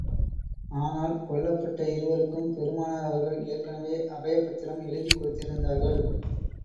ஆனால், கொல்லப்பட்ட இருவருக்கும், பெருமானார் அவர்கள் ஏற்கனவே அபயப் பத்திரம் எழுதிக் கொடுத்திருந்தார்கள்.